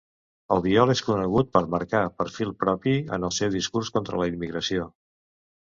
Albiol és conegut per marcar perfil propi amb el seu discurs contra la immigració.